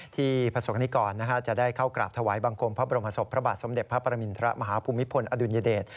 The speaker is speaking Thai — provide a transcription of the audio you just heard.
พระศกนิกรจะได้เข้ากราบถวายบังคมพระบรมศพพระบาทสมเด็จพระปรมินทรมาฮภูมิพลอดุลยเดช